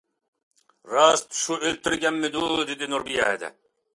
-راست شۇ ئۆلتۈرگەندىمۇ؟ -دېدى نۇربىيە ھەدە.